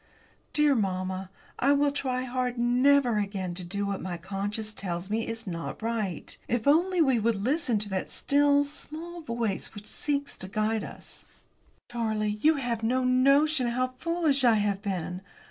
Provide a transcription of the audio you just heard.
Dear mamma, I will try hard never again to do what my conscience tells me is not right. If only we would always listen to the still small voice which seeks to guide us! "Charlie, you have no notion how foolish I have been!